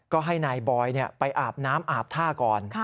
ก็ให้นายบอยไปอาบน้ำอาบท่าก่อน